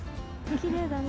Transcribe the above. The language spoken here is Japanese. きれいだね。